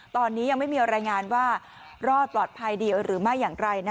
ตอนนี้ยังไม่มีรายงานว่ารอดปลอดภัยดีหรือไม่อย่างไร